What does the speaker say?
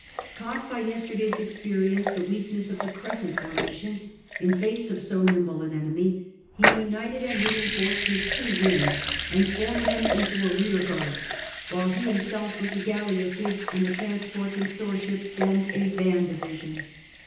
Taught by yesterday's experience the weakness of the crescent formation in face of so nimble an enemy, he united and reinforced his two wings, and formed them into a rear guard, while he himself, with the galleasses and the transports and storeships, formed a van division.